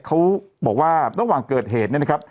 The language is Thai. เขาบอกว่าระหว่างเกิดเหตุเนี่ยนะครับ